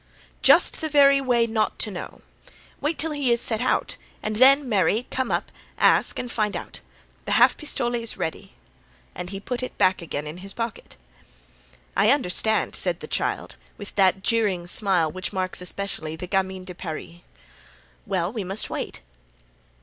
"Just the very way not to know. Wait till he is set out and then, marry, come up, ask, and find out. The half pistole is ready," and he put it back again into his pocket. "I understand," said the child, with that jeering smile which marks especially the "gamin de Paris." "Well, we must wait."